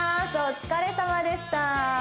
お疲れさまでした